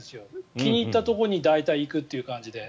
気に入ったところに大体行くという感じで。